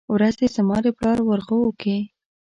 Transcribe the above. ورځې زما دپلار ورغوو کې